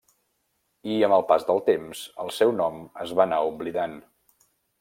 I, amb el pas del temps, el seu nom es va anar oblidant.